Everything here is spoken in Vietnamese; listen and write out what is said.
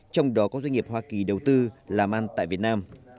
trong đó có doanh nghiệp hoa kỳ đầu tư làm ăn tại việt nam